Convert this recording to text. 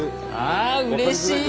ああうれしい！